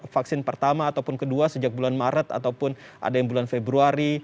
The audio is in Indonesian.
vaksin pertama ataupun kedua sejak bulan maret ataupun ada yang bulan februari